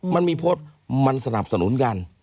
มันมีโพสต์มันสนับสนุนกัน